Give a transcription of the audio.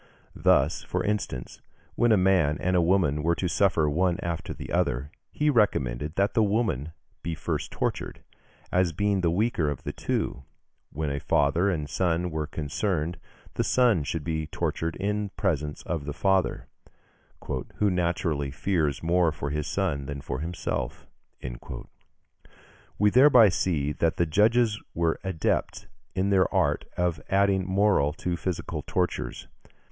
Thus, for instance, when a man and a woman were to suffer one after the other, he recommended that the woman be first tortured, as being the weaker of the two; when a father and son were concerned, the son should be tortured in presence of the father, "who naturally fears more for his son than for himself." We thereby see that the judges were adepts in the art of adding moral to physical tortures.